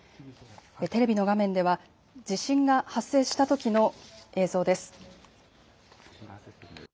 テレビの画面では地震が発生したときの映像です。